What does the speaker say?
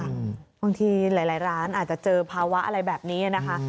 บางทีหลายร้านอาจจะเจอภาวะอะไรแบบนี้นะคะ